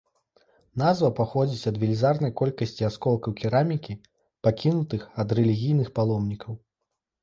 Назва паходзіць ад велізарнай колькасці асколкаў керамікі, пакінутых ад рэлігійных паломнікаў.